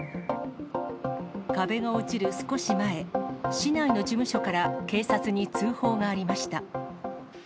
壁が落ちる少し前、市内の事務所から警察に通報がありました。